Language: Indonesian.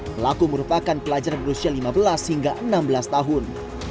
pelaku merupakan pelajar berusia lima belas hingga enam belas tahun